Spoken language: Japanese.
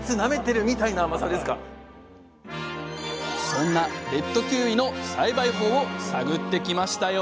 そんなレッドキウイの栽培法を探ってきましたよ